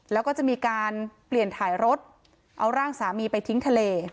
แล้วก็จะมีการเปลี่ยนถ่ายรถเอาร่างสามีไปทิ้งทะเล